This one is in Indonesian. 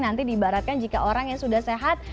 nanti diibaratkan jika orang yang sudah sehat